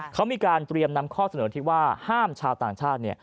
เขามีการเตรียมนำข้อเสนอที่ว่าห้ามชาวต่างชาติ